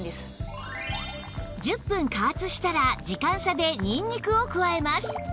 １０分加圧したら時間差でニンニクを加えます